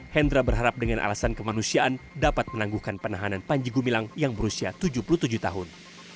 hendra berharap dengan alasan kemanusiaan dapat menangguhkan penahanan panji gumilang yang berusia tujuh puluh tujuh tahun